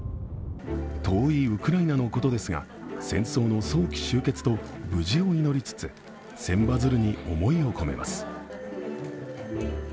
遠いウクライナのことですが戦争の早期終結と無事を祈りつつ、千羽鶴に思いを込めます。